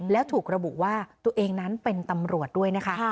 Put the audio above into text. แล้วถูกระบุว่าตัวเองนั้นเป็นตำรวจด้วยนะคะ